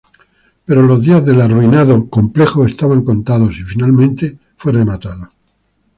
Pero los días del arruinado complejo estaban contados, y finalmente fue rematado.